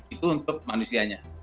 itu untuk manusianya